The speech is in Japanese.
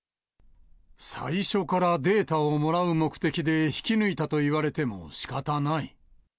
最初からデータをもらう目的で、引き抜いたと言われてもしかたない。